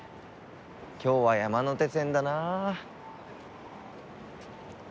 今日は山手線だな。